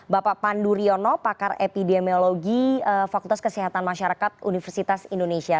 bapak panduryono pakar epidemiologi fakultas kesehatan masyarakat universitas indonesia